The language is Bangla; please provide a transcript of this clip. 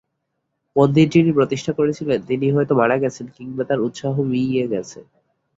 মন্দির যিনি প্রতিষ্ঠা করেছিলেন তিনি হয়তো মারা গেছেন কিংবা তাঁর উৎসাহ মিইয়ে গেছে।